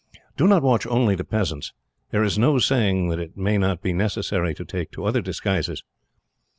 "Do not watch only the peasants. There is no saying that it may not be necessary to take to other disguises.